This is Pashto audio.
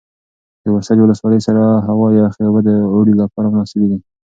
د ورسج ولسوالۍ سړه هوا او یخې اوبه د اوړي لپاره مناسبې دي.